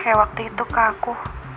kayak waktu itu ke aku